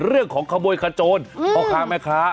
เรื่องของขโมยขาโจรพ่อค้าแม่ค้า